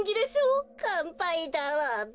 かんぱいだわべ。